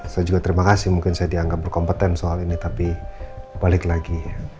saya juga terima kasih mungkin saya dianggap berkompeten soal ini tapi balik lagi